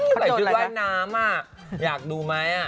ใส่ชุดว่ายน้ำมากอยากดูไหม